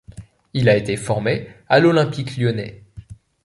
Il a été formé à l'Olympique lyonnais.